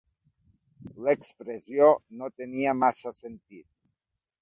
L'expressió no tenia massa sentit.